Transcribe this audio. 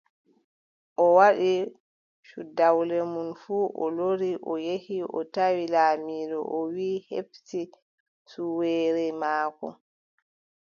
O waɗi cuɗawle mum fuu o lori, o yehi, o tawi laamɗo o wiʼi o heɓti suweere maako.